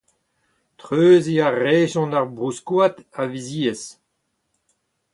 Treuziñ a rejont ar brouskoad a-viziez.